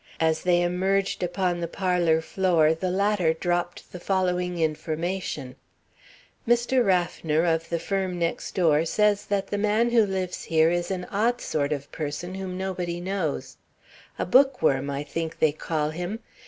As they emerged upon the parlor floor, the latter dropped the following information: "Mr. Raffner of the firm next door says that the man who lives here is an odd sort of person whom nobody knows; a bookworm, I think they call him.